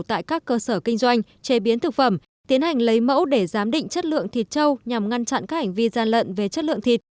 tại các cơ sở kinh doanh chế biến thực phẩm tiến hành lấy mẫu để giám định chất lượng thịt trâu nhằm ngăn chặn các hành vi gian lận về chất lượng thịt